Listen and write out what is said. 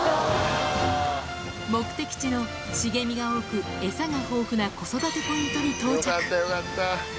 目的地の茂みが多く、餌が豊富な子育てポイントに到着。